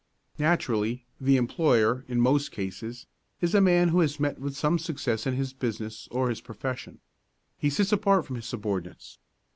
Naturally, the employer, in most cases, is a man who has met with some success in his business or his profession. He sits apart from his subordinates.